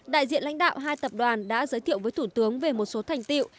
đại diện lãnh đạo hai tập đoàn đã giới thiệu với thủ tướng về một số thành tiệu